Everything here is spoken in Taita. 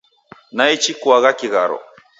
Naichi kuagha kigharo